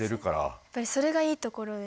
やっぱりそれがいいところですよね。